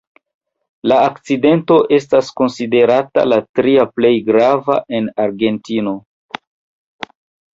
La akcidento estas konsiderata la tria plej grava de Argentino.